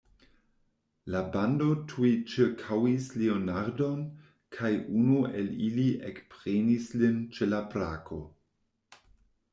La bando tuj ĉirkaŭis Leonardon, kaj unu el ili ekprenis lin ĉe la brako.